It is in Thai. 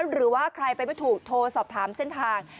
หรือว่าใครไปไม่ถูกโทรสอบถามเส้นทาง